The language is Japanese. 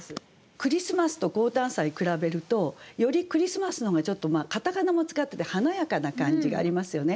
「クリスマス」と「降誕祭」比べるとより「クリスマス」の方がちょっと片仮名も使ってて華やかな感じがありますよね。